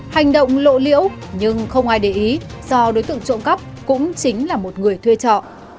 hành động lộ liễu nhưng không ai để ý do đối tượng trộm cắp cũng chính là một người thuê trọ